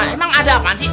emang ada apaan sih